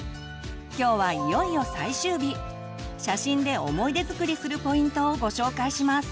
今日はいよいよ最終日写真で思い出づくりするポイントをご紹介します！